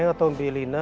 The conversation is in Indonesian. atau beli lina